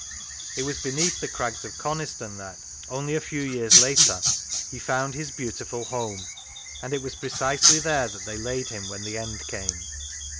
it was beneath the crags of Coniston that, only a few years later, he found his beautiful home; and it was precisely there that they laid him when the end came.